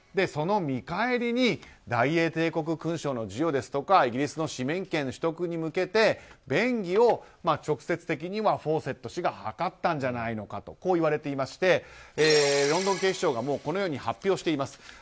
その見返りに大英帝国勲章の授与ですとかイギリスの市民権取得に向けて便宜を直接的にはフォーセット氏が図ったんじゃないかとこう言われていましてロンドン警視庁がこのように発表しています。